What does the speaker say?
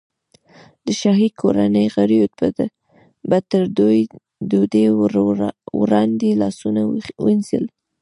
د شاهي کورنۍ غړیو به تر ډوډۍ وړاندې لاسونه وینځل.